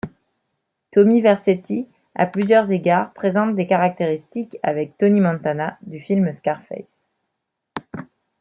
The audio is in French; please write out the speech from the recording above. Tommy Vercetti, à plusieurs égards, présente des caractéristiques avec Tony Montana du film Scarface.